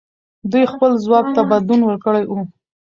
دوی خپل ځواک ته بدلون ورکړی وو.